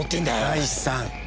倉石さん。